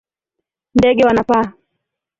Ndege wanapaa.